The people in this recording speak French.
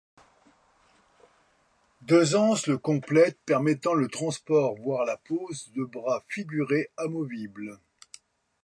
Deux anses le complètent permettant le transport voire la pose de bras figurés amovibles.